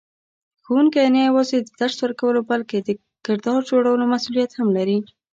ښوونکی نه یوازې د درس ورکولو بلکې د کردار جوړولو مسئولیت هم لري.